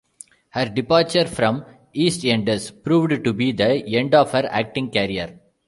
Her departure from "EastEnders" proved to be the end of her acting career.